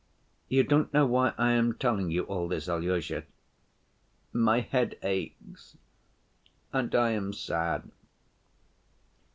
You don't know why I am telling you all this, Alyosha? My head aches and I am sad."